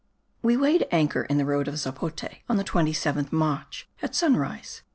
We weighed anchor in the road of Zapote, on the 27th March, at sunrise.